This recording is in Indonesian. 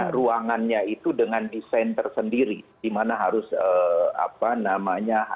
berikutnya lagi adalah kami harus memiliki alat yang berbeda beda